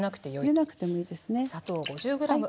入れなくてもいいですね。